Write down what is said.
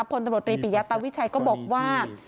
พลตำรวจรีปิยาตาวิชัยก็บอกว่า